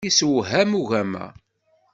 Yessewham ugama.